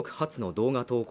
動画投稿